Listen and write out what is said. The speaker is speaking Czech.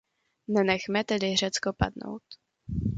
Nenechme tedy Řecko padnout.